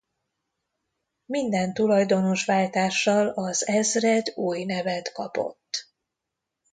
Minden tulajdonos váltással az ezred új nevet kapott.